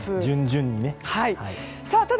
順々にと。